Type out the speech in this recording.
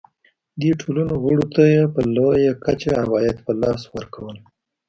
دې ټولنو غړو ته یې په لویه کچه عواید په لاس ورکول.